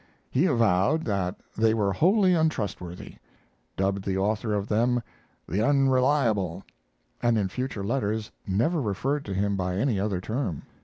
He avowed that they were wholly untrustworthy; dubbed the author of them "The Unreliable," and in future letters never referred to him by any other term.